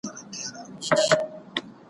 شاهینان وه چي کوترې یې خوړلې